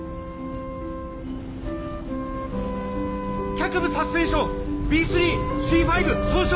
脚部サスペンションＢ３Ｃ５損傷！